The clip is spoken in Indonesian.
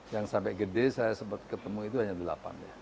yang sampai gede saya sempat ketemu itu hanya delapan ya